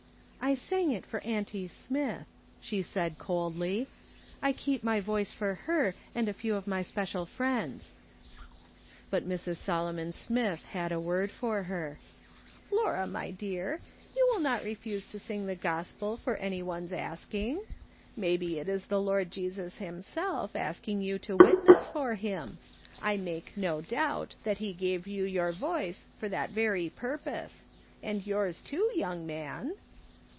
" I sang it for auntie Smith," she said, coldly. " I keep my voice for her and a few of my special friends." But Mrs. Solomon Smith had a word for her: " Laura, my dear, you will not refuse to sing the gospel for any one's asking. Maybe it is the Lord Jesus himself asking you to witness for him. I make no doubt that he gave you your voice for that very purpose ; and yours too, young man."